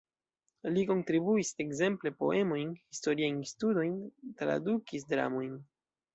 Li kontribuis ekzemple poemojn, historiajn studojn, tradukis dramojn.